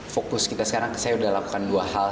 fokus kita sekarang saya sudah lakukan dua hal